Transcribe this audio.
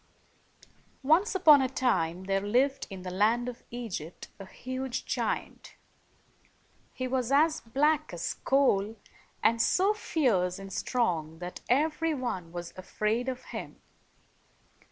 Once upon a time, there lived in the land of Egypt a huge giant. He was as black as coal, and so fierce and strong that every one was afraid of him.